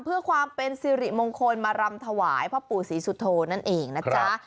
เพื่อความเป็นสิริมงคลมารำถวายพ่อปู่ศรีสุโธนั่นเองนะจ๊ะ